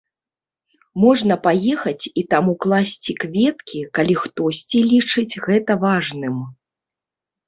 Можна паехаць і там ускласці кветкі, калі хтосьці лічыць гэта важным.